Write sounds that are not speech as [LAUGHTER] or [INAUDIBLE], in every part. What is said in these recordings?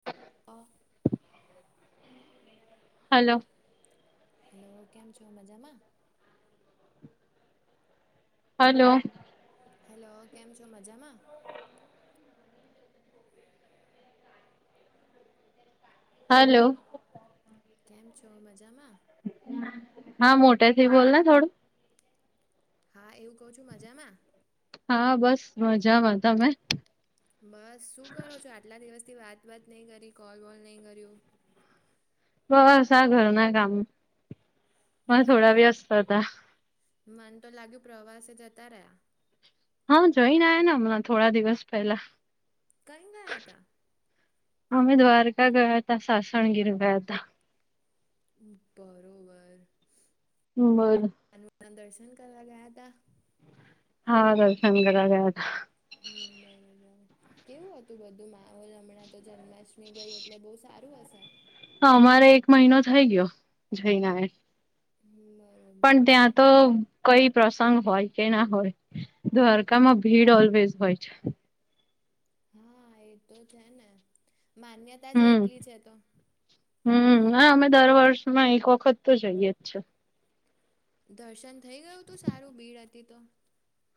[INAUDIBLE] Of. Hello. Hello કેમ છો મજામાં. હલો. હેલો કેમ છો મજામાં. હલો. કેમ છો મજામાં. હા મોટે થી બોલને થોડું. હા એવું કઉું છું મજામાં. હા બસ મજામાં તમે. બસ શું કરો છો આટલા દિવસથી વાત વાત નહી કરી કોલ વોલ નહી કર્યું. બસ આ ઘર ના કામ. માં થોડા બરોબર વ્યસ્ત હતા મન તો લાગ્યું પ્રવાસે જતા રહ્યા. હા જઈને આવ્યાને હમણાં થોડા દિવસ પહેલા. કઈ ગયા હતા. અમે દ્વારકા ગયા તા, સાસણગીર ગયા તા. બરોબર. હબર [INAUDIBLE] [UNINTELLIGIBLE] દર્શન કરવા ગયા તા. હા દર્શન કરવા ગયા હતા. હમ બરોબર કેવું હતું બધું માહોલ હમણાં તો જન્મ ક્ષ્મી ગઈ એટલે બહુ સારું હશે. હ અમારે એક મહિનો થઈ ગયો જઈન આયા. હમ્મ પણ બરોબર. ત્યાં તો કઈ પ્રસંગ હોય કે ના હોય. દ્વારકામાં ભીડ ઓલ્વેઝ હોય છે. હા એ તો છે ને માન્યતા જ હમ એટલી છે તો. હમ હ અમે દર વર્ષમાં એક વખત તો જઈએ જ છે. દર્શન થઈ ગયું તું સારું ભીડ હતી તો.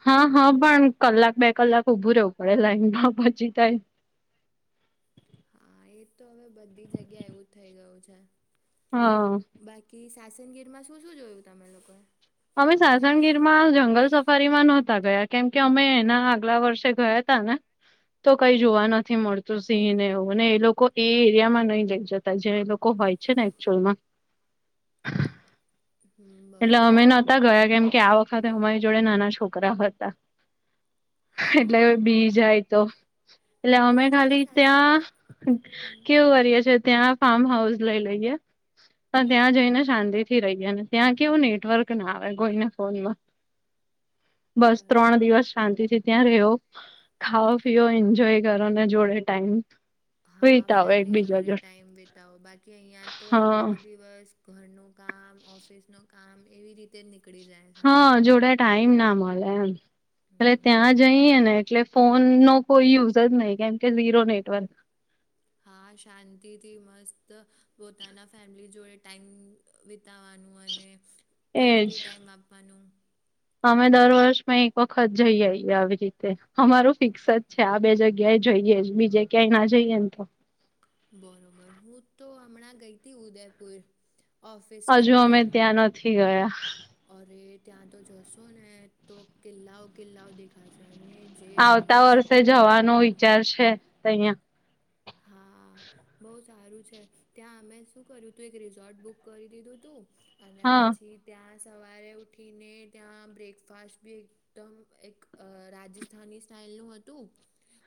હા હા પણ કલાક બે કલાક ઊભું રહેવું પડે લાઈનમાં પચી થાય. હા એ તો હવે બધી જગ્યા એવું થઇ ગયું છે. હા. બાકી સાસનગીરમાં શું શું જોયું તમે લોકોએ. અમે સાસનગીર માં જંગલ સફારીમાં નહોતા ગયા કેમ કે અમે એના આગલા વર્ષે ગયા તા ને. તો કઈ જોવા નથી મળતું સિંહ ને એવુંને એ લોકો એ એરિયા માં નહી લઈ જતા જે એ લોકો હોય. છે ને એકક્ચુઅલમાં. [UNINTELLIGIBLE] હમ્મ. એટલે અમે નહોતા ગયા કેમ કે આ વખતે અમારી જોડે નાના છોકરા હતા. એટલે હવે હા બી જાય તો. એટલે અમે હું જ્યારે ખાલી સાસ ત્યાં હમ કેવું કરીએ છીએ. ત્યાં ફાર્મ હાઉસ લઈ લઈએ પણ ત્યાં હા જઈને શાંતિ થી રહીએ ને ત્યાં કેવું નેટવર્ક ના આવે કોઈને ફોનમાં બસ બરોબર ત્રણ દિવસ શાંતિથી ત્યાં રેહવો ખાઓ પીઓ એન્જોય કરો ને જોડે ટાઈમ હા વિતાવો ફેમિલી એકબીજા જોડે ટાઈમ વિતાવો બાકી અહીયાં તો હા આખો દિવસ ઘરનું કામ ઓફિસનું કામ એવી રીતે જ નીકળી જાય છે હા જોડે ટાઈમ ના મળે એમ એટલે હમ ત્યાં જઈએ ને એટલે ફોન નો કોઈ યુઝ જ નહી કેમ કે ઝીરો નેટવર્ક હા શાંતિથી મસ્ત પોતાના ફેમિલી જોડે ટાઈમ વિતાવાનું અને એજ ક્વોલિટી ટાઈમ આપવાનું અમે દર વર્ષમાં એક વખત જઈ આવીએ આવી રીતે અમારું ફિક્સ જ છે આ બે જગ્યા એ જઈએ બીજે ક્યાંય ના જઈએ ને તો બરોબર હું તો હમણાં ગઈ હતી ઉદયપુર ઓફિસ હજુ અમે ટ્રીપથી ત્યાં નથી ગયા અરે ત્યાં તો જશો ને તો કિલ્લાઓ કિલ્લાઓ દેખાશે અને જે આવતા પીસ વર્ષે જવાનો વિચાર છે ત્યાં હા બઉ સારું છે ત્યાં અમે શું કર્યું તું એક રિસોર્ટ બુક કરી દીધું તું અને હા પછી ત્યાં સવારે ઉઠીને ત્યાં બ્રેકફાસ્ટ બી તો એકદમ રાજસ્થાની સ્ટાઇલનું હતું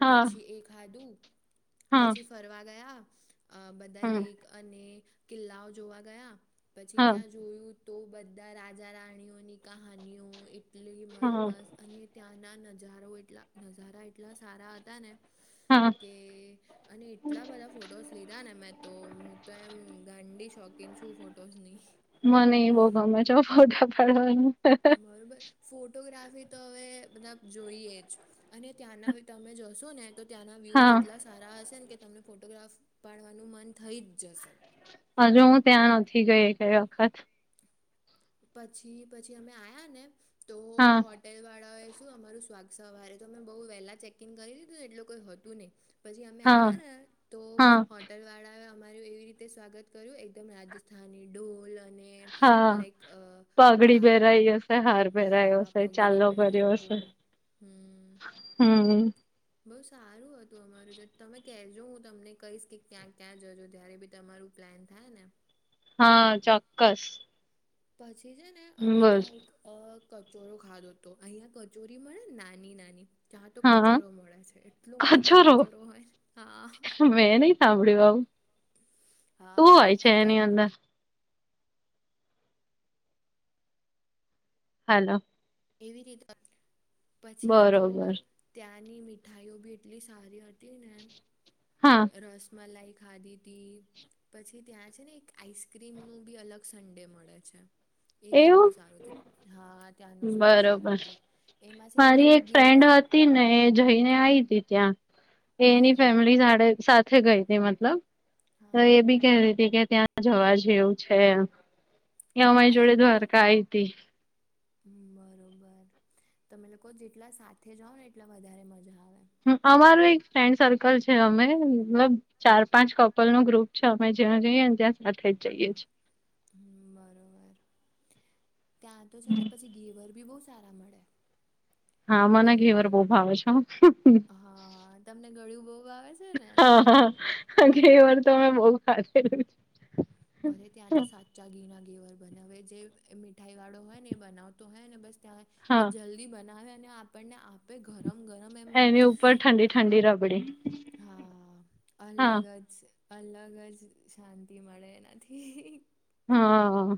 હા પછી એ ખાધું હા પછી ફરવા ગયા બધા હમ લેક અને કિલ્લાઓ જોવા ગયા પછી હા ત્યાં જોયું તો બધા રાજા રાણીઓની કહાનીઓ એટલી મસ્ત હા મસ્ત અને ત્યાંના નજારો એટલા નજારા એટલા સારા હતા ને હા કે અને એટલા બધા ફોટોસ લીધા ને મેં તો હું તો એમ ગાંડી શોકીન છું ફોટોસ ની મને એ બહુ ગમે છે હો ફોટા પાડવાનું બરોબર ફોટોગ્રાફી તો હવે બધા જોઈએ જ અને ત્યાંના તમે જોશો જોશો ને તો ત્યાંના વ્યૂ જ હા એટલા સારા હશે ને કે તમને ફોટોગ્રાફ પાડવાનું મન થઈ જ જશે હજુ હું ત્યાં નથી ગઈ એકેય વખત પછી પછી અમે આવ્યા ને તો હો હા હોટલ વાળા એ શું અમારું સ્વાગ સવારે તો અમે બઉુ વહેલા ચેક ઈન કરી દીધું એટલ કોઈ હતું નહી પછી અમે હા આયા ને તો હા હોટલ વાળા અમારું એવી રીતે રીતે સ્વાગત કર્યું એકદમ રાજસ્થાની ઢોલ અને લાઈક આ લઈ હાલ હા પગડી પહેરાઈ બોવ હમ હમ બઉુ સારું હતું અમારું જે તમે કહેજો હું તમને કહીશ કે ક્યાં ક્યાં જજો જ્યારે બી તમારું પ્લાન થાય ને હા ચોક્કસ પછી છે ને અમે બોલ ત્યાં એક અ કચોરો ખાધો હતો અહીયા કચોરી મળેને નાની નાની ત્યાં તો હા કચોરો મળે છે એટલો મોટો કચોરો હોય ને હા મેં નહી સાંભળ્યું આવું હા શું હોય છે એમ ક એની અંદર હલો એવી રીતે પછી તો બરોબર ત્યાંની મીઠાઈઓ બી એટલી સારી હતી ને એમ હા. રસમલાઈ ખાધી તી પછી ત્યાં છે ને એક આઈસક્રીમનું પણ અલગ સન્ડે મળે છે એ બી બહુ એવું સારું હતું હા ત્યાંનું સ્પેશિયલ બરોબર હતું એમાં છે એ મારી લોકો એક ફ્રેન્ડ ઘેવર હતી ને જઈને આઈ હતી ત્યાં એની હમ ફેમિલી સાડે સાથે [UNINTELLIGIBLE] ગઈ તી મતલબ, તો હા એ બી કહેરી તી કે ત્યાં જવા જેવું છે એમ. એ અમારી જોડે દ્વારકા આઈ તી. બરોબર. તમે લોકો જેટલા સાથે જાઓ ને એટલા વધારે મજા આવે. હમ્મ, અમારું એક ફ્રેન્ડ સર્કલ છે અમે, મતલબ ચાર પાંચ કપલ નું ગ્રુપ છે, અમે જ્યાં જઈએ ને ત્યાં સાથે જ જઈએ છી. હમ્મ બરોબર. ત્યાં તો છે ને પછી ગેવર બી બહુ સારા મળે. હા મને એ ઘેવર બહું ભાવે છે હો. હા તમને ગળ્યું બહુ આવે છે ને હા, હા, ઘેવાર તો અમે બહું ખાધેલી. અરે ત્યાં તો સાચા ઘી ના ઘેવર બને, હવે જે એ મીઠાઈ વાળો હોય ને એ બનાવતો હોય ને બસ ત્યાં એ હા જલ્દી બનાવે અને આપણને આપે ઘરમ ગરમ એમ એની ઉપર ઠંડી-ઠંડી રબડી હા. હા અલગ જ અલગ જ શાંતિ મળે એનાથી. હા.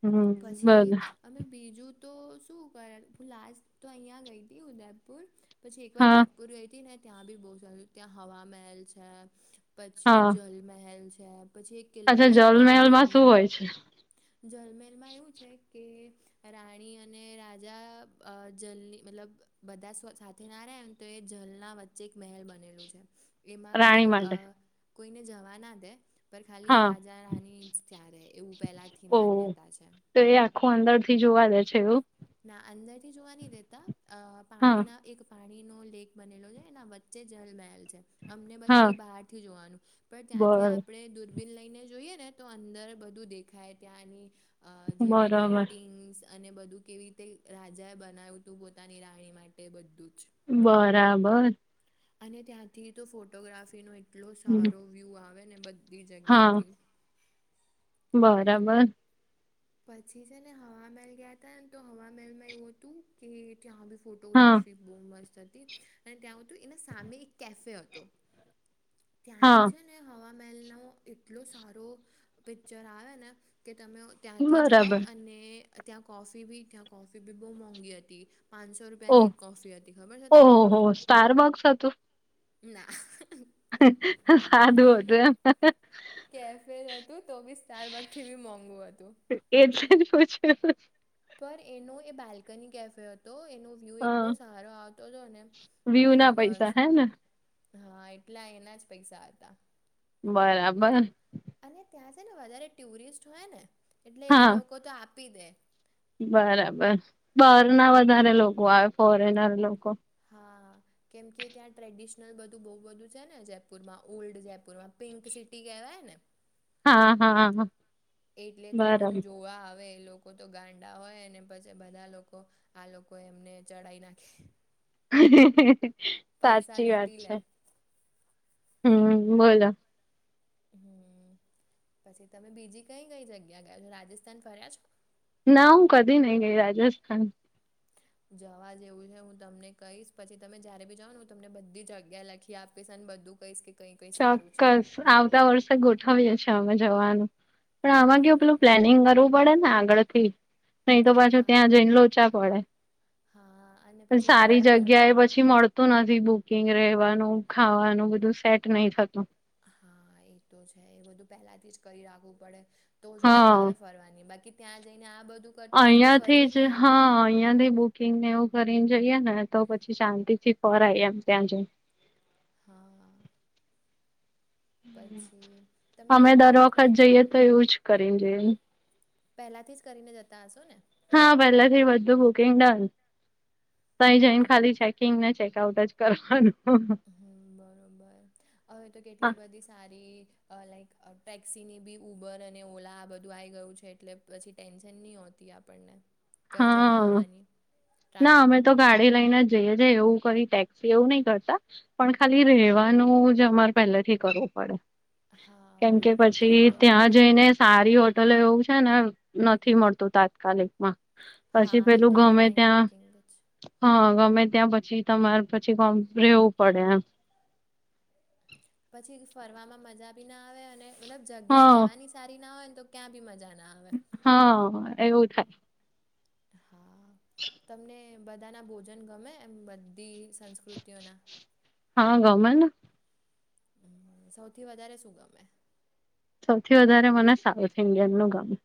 હમ પછી બધ અમે બીજું તો શું કરે, હું લાસ્ટ તો અહીંયા ગઈ તી ઉદયપુર. પછી એકવાર હા જયપુર ગઈ તી ને ત્યાં બી બહુ સારું, ત્યાં હવા મહેલ છે પછી હા જલમહેલ છે, પછી એક કિલ્લો છે આમીર જલમહેલમાં શું નું. હોય અચ્છા. જલમેરમાં એવું છે કે રાણી અને રાજા અહ જલની મતલબ બધા સ સાથે ના રહે ને તો એ જલના વચ્ચે એક મહેલ બનેલું છે. એમાં કોઈ રાણી માટે અહ કોઈને જાવા ના દે. પર ખાલી હા રાજા રાની જ ત્યાં રહે એવું પહેલા થી ઓહ માન્યતા છે. તો એ આખું અંદર થી જોવા દે છે એવું? ના અંદર થી જોવા નહીં દેતા, અહ પાણી હા ના એક [UNINTELLIGIBLE] પાણી નો લેક બનેલો છે, એના વચ્ચે જલમહેલ છે. અમને બ હા ખાલી બહારથી જોવાનું, પણ ત્યાંથી બર આપણે દૂર બીન લઈને જોઈએ ને તો અંદર બધું દેખાય, ત્યાંની અહ જે બી બરાબર પેઇન્ટિંગ્સ અને બધું કેવી રીતે રાજા એ બનાયું તું પોતાની રાણી માટે એ બધું જ. બરાબર. અને ત્યાંથી તો ફોટોગ્રાફીનો એટલો હમ, સારો વ્યૂ આવે ને બધ બી હા જગ્યા થી. બરાબર. પછી છે ને હવા મહેલ ગયા તા ને, તો હવા મહલ માં એવું હતું કે ત્યાં બી હા ફોટોગ્રાફી બહુ મસ્ત હતી, અને ત્યાં હોતું એના સામે એક કેફે હતો. હા ત્યાંથી છેન ને હવામહેલ નો એટલો સારો પિક્ચર આવે ને કે તમે ત્યાંથી જાઓ, બરાબર અને ત્યાં કોફી બી ત્યાં કોફી બી બહુ મોંઘી હતી. પાંસ સો રૂપિયાની એક કોફી હતી ખબર છે તમને. સ્ટારબક્સ હતું? ના. સાદું હતું એમ? કેફે હતું તો બી સ્ટાર બગ થી બી મોંઘું હતું. એટલે જ પૂછ્યું પર એનો એ બાલ્કની કેફે હતો એનો વ્યુ હ એટલો સારો આવતો હતો ને, વ્યુ ના પૈસા મસ્ત. હે ને હા એટલા એના જ પૈસા હતા. બરાબર. અને ત્યાં છે ને વધારે ટુરિસ્ટ હોય ને એટલે એ હા લોકો તો આપી દે બરાબર બાર ના વધારે લોકો આવે ફોરેનર લોકો હા. કેમકે ત્યાં ટ્રેડિશનલ બધું બહુ બધું છે ને જયપુરમાં ઓલ્ડ જયપુરમાં પિંક સિટી કહેવાય ને હા હા એટલે તો એ બરાબર બધું જોવા આવે એ લોકો તો ગાંડા હોય અને પછી બધા લોકો આ લોકો એમને ચઢાઈ નાખે પૈસા સાચી વાત લૂંટી છે લે હમ બોલો હમ પછી તમે બીજી કઈ કઈ જગ્યા ગયા છો રાજસ્થાન ફર્યા છો ના હું કદી નહીં ગઈ રાજસ્થાન જવા જેવું છે હું તમને કહીશ પછી તમે જયારે બી જાઉં ને હું તમને બધી જગ્યા લખી આ પીશ અને બધું કહીશ કે કઈ કઈ સારું છે ચોક્કસ આવતા વર્ષે ગોઠવીએ છીએ અમે જવાનું પણ હમ આમાં કેવું પેલું બરોબર પ્લેનિંગ કરવું પડે ને આગળ થી નહી તો પાછું હા ત્યાં જઈને લોચા પડે હા અને પછી સારી ઘરનું જગ્યાએ બી પછી મળતું નથી બુકિંગ રેવાનું ખાવાનું બધું સેટ નહી થતું હા એ તો છે એ બધું પેલાથી જ કરી રાખવું પડે. તો જ મજા હા આવે ફરવાની બાકી ત્યાં જઈને આ બધું કરતા રહીએ તો અહીયાથી ફરીએ જ ક્યારે હા અહીયાથી બુ કિંગ ને એવું કરીને જઈએ ને તો પછી શાંતિ થી ફરાઈ એમ ત્યાં જઈ હા પછી તમે અમે દર નોર્થ વખત બાજુ જઈએ તો એવું જ કરીને જઈએ પહેલાથી જ કરીને જતા હશો ને હા પહેલા થી બધું બુકિંગ ડન તઈ જઈને ખાલી ચેકિંગને ચેકઆઉટ જ કરવાનું હમ્મ બરોબર હવે તો કેટલી બધી સારી લાઈક ટેક્સીની બી ઉબર અને ઓલા આ બધું આવી ગયું છે. એટલે પછી ટેન્શન નહીં હોતી આપણને કંઈ જવા હા આવવાની ના અમે તો ટ્રાન્સપોર્ટેશન ગાડી લઈને જઈએ છે એવું કદી ટેક્સી એવું નહી કરતા. પણ ખાલી રહેેવાનું જ અમારે પહેલેથી કરવું પડે. હા કેમ કે બરોબર તો જ પછી તો બહુ ત્યાં જઈને સારી હોટલ એવું છે ને નથી મળતું તાત્કાલિક માં હા એ તો ઓનલાઈન બુકિંગ જ હા ગમે ત્યાં પછી તમારે પછીમ રહેવું પડે એમ પછી ફરવામાં મજા ભી ના આવે અને મલબ જગ્યા હા રેવાની સારી ના હોય ને તો ક્યાં બી મજા ના આવે હા એવું થાય હા તમને બધાના ભોજન ગમે એમ બધી સંસ્કૃતિઓના હા ગમેને સૌથી વધારે શું ગમે સૌથી વધારે મને સાઉથ ઇન્ડિયન નું ગમે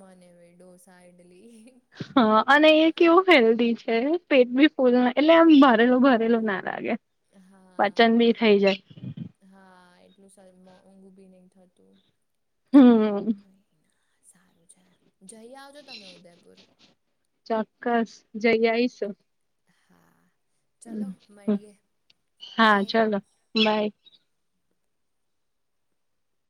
મનેવી ડોસા ઈડલી હા અને એ કેવું હેલ્ધી છે પેટ બી ફૂલ એટલે એમ ભરેલું ભરેલું ના લાગે. હા પાચન બી થઈ જાય હા એટલું શરીર માં ઊંઘું બી ની થતું હમ કઈ સારું છે જઈ આવજો તમે ઉદયપુર ચોક્કસ જઈ આઇ શું. હા ચલો મળીએે હા બાય ચલો બાય